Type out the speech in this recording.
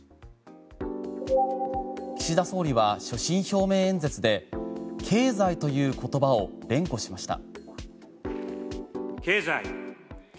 岸田総理は所信表明演説で経済という言葉を連呼しました。